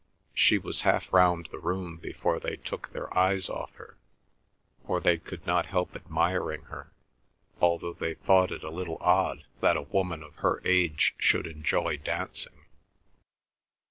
She was half round the room before they took their eyes off her, for they could not help admiring her, although they thought it a little odd that a woman of her age should enjoy dancing.